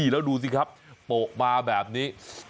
แล้วดูสิครับโปะมาแบบนี้